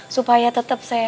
supaya tetep saya